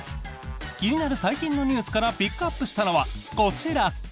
気になる最近のニュースからピックアップしたのはこちら！